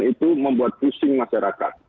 itu membuat pusing masyarakat